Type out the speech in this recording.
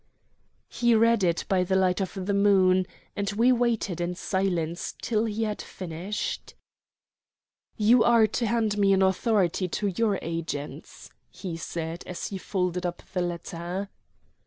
He read it by the light of the moon, and we waited in silence till he had finished. "You are to hand me an authority to your agents," he said as he folded up the letter.